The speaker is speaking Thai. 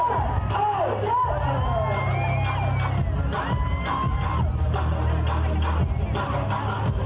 แล้วก็บอกว่าเพื่อย่ามีทางของเราจะถูกกับคันธุระเยอะ